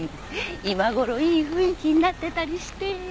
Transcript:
今ごろいい雰囲気になってたりして。